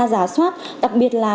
giả soát đặc biệt là